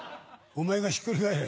お前がひっくり返れ。